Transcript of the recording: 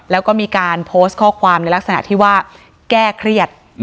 แล้วก็มีการโพสต์ข้อความในลักษณะที่ว่าแก้เครียด